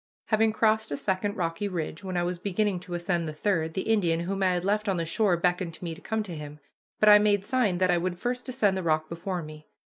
Having crossed a second rocky ridge, when I was beginning to ascend the third, the Indian, whom I had left on the shore, beckoned to me to come to him, but I made sign that I would first ascend the rock before me.